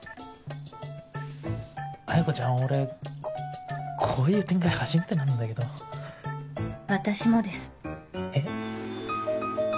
彩子ちゃん俺こういう展開初めてなんだけど私もですえっ？